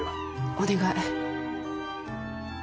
お願い。